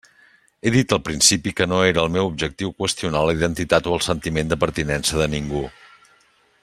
He dit al principi que no era el meu objectiu qüestionar la identitat o el sentiment de pertinença de ningú.